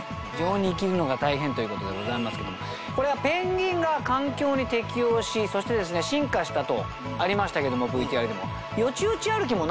非常に生きるのが大変ということでございますけどもこれはペンギンが環境に適応しそして進化したとありましたけどＶＴＲでも。